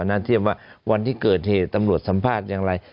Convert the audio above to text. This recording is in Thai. น่าเทียบว่าวันที่เกิดเหตุตำรวจสัมภาษณ์อย่างไร